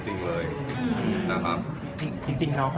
ใช่ไม่ได้เป็นค่อยจริงเลย